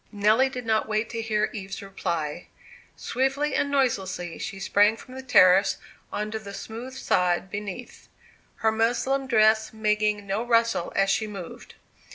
Nelly did not wait to hear Eve's reply. Swiftly and noiselessly she sprang from the terrace on to the smooth sod beneath, her muslin dress making no rustle as she moved.